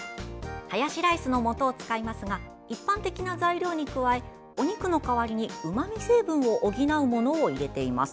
ハヤシライスの素を使いますが一般的な材料に加えお肉の代わりにうまみ成分を補うものを入れます。